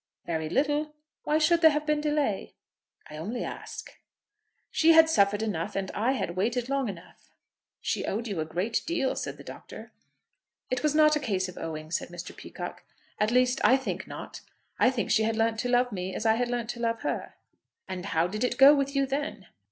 "Very little. Why should there have been delay?" "I only ask." "She had suffered enough, and I had waited long enough." "She owed you a great deal," said the Doctor. "It was not a case of owing," said Mr. Peacocke. "At least I think not. I think she had learnt to love me as I had learnt to love her." "And how did it go with you then?"